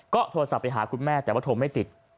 ก็โทรศัพท์ไปหาคุณแม่แต่ว่าโทรไม่ติด